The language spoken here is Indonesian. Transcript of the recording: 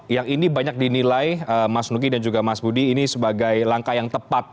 yang ini banyak dinilai mas nugi dan juga mas budi ini sebagai langkah yang tepat